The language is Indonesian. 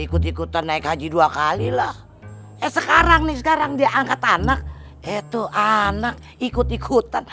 ikut ikutan naik haji dua kali lah eh sekarang nih sekarang dia angkat anak itu anak ikut ikutan